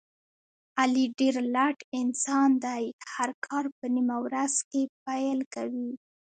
علي ډېر لټ انسان دی، هر کار په نیمه ورځ کې پیل کوي.